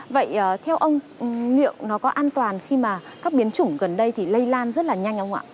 vậy theo ông liệu nó có an toàn khi mà các biến chủng gần đây thì lây lan rất là nhanh không ạ